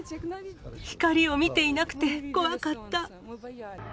光を見ていなくて怖かった。